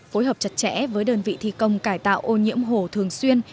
phối hợp chặt chẽ với đơn vị thi công cải tạo ô nhiễm hồ thường xuyên